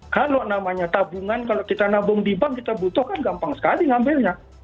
kalau namanya tabungan kalau kita nabung di bank kita butuhkan gampang sekali ngambilnya